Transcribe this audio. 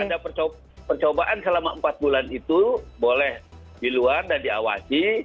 ada percobaan selama empat bulan itu boleh di luar dan diawasi